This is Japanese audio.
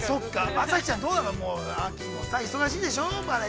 ◆朝日ちゃんどうなの、秋も忙しいでしょう？